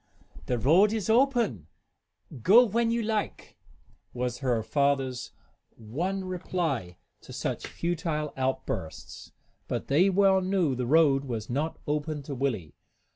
"The road is open, go when you like," was her father's one reply to such futile outbursts. But they well knew the road was not open to Willie.